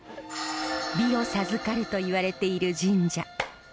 美を授かるといわれている神社。